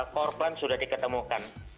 korban sudah diketemukan